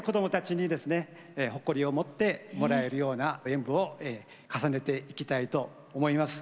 誇りを持ってもらえるような演武を重ねていきたいと思います。